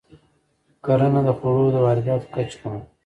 کرنه د خوړو د وارداتو کچه کموي.